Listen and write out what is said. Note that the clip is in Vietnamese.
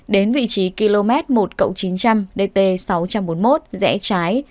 đến vị trí km một chín trăm linh dt sáu trăm bốn mươi một rẽ trái